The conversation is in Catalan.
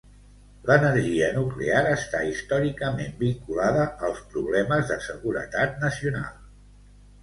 L'energia nuclear està històricament vinculada als problemes de seguretat nacional.